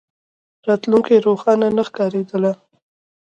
راتلونکې روښانه نه ښکارېدله.